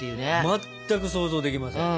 全く想像できません。